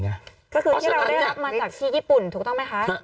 ก็คือที่เราได้รับมาจากที่ญี่ปุ่นถูกต้องไหมคะ